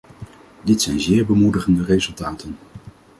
Dit zijn zeer bemoedigende resultaten.